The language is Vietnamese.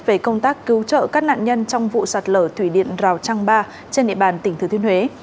về công tác cứu trợ các nạn nhân trong vụ sạt lở thủy điện rào trăng ba trên địa bàn tỉnh thừa thiên huế